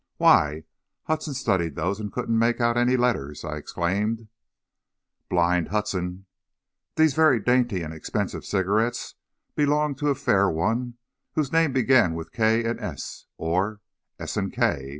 "Why, Hudson studied those and couldn't make out any letters," I exclaimed. "Blind Hudson! These very dainty and expensive cigarettes belonged to a fair one, whose name began with K and S, or S and K.